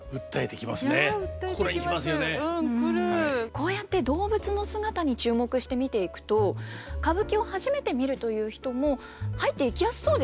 こうやって動物の姿に注目して見ていくと歌舞伎を初めて見るという人も入っていきやすそうですよね。